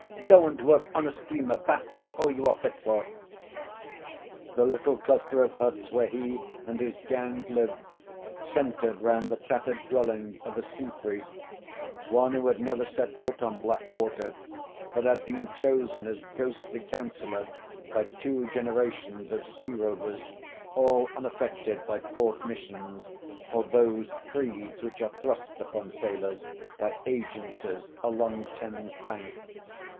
Go and work on a steamer. That is all you are fit for." The little cluster of huts where he and his gang lived centred round the tattered dwelling of a sea priest one who had never set foot on black water, but had been chosen as ghostly counsellor by two generations of sea rovers all unaffected by port missions or those creeds which are thrust upon sailors by agencies along Thames bank.